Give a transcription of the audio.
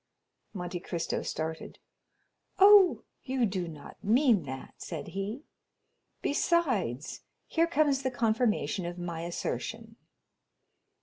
Monte Cristo started. "Oh, you do not mean that," said he; "besides, here comes the confirmation of my assertion."